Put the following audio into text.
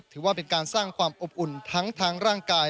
ถือว่าเป็นการสร้างความอบอุ่นทั้งทางร่างกาย